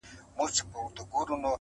په میوند پسې دې خان و مان را ووت ,